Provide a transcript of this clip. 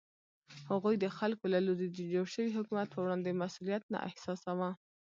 هغوی د خلکو له لوري د جوړ شوي حکومت په وړاندې مسوولیت نه احساساوه.